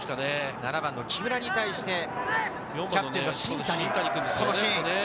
７番の木村に対してキャプテンの新谷。